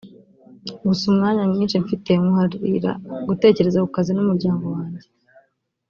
gusa umwanya mwinshi mfite nywuharira gutekereza ku kazi n’umuryango wanjye